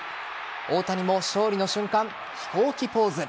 大谷も勝利の瞬間、飛行機ポーズ。